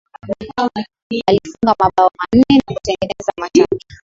alifunga mabao manne na kutengeneza matatu